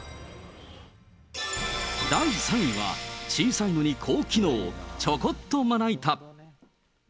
第３位は小さいのに高機能、ちょこっとまな板。